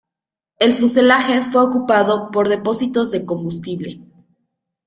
El fuselaje fue ocupado por depósitos de combustible.